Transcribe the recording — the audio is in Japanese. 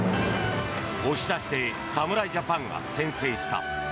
押し出しで侍ジャパンが先制した。